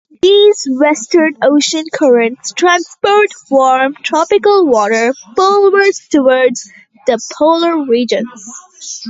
These western ocean currents transport warm, tropical water polewards toward the polar regions.